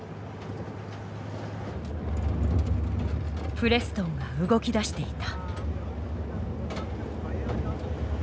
プレストンが動き出していた。